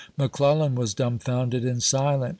McClellan was dumfounded and silent.